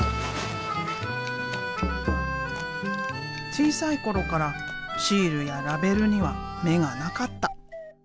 小さい頃からシールやラベルには目がなかった。